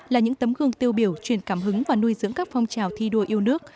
là những tấm gương tiêu biểu truyền cảm hứng và nuôi dưỡng các phong trào thi đua yêu nước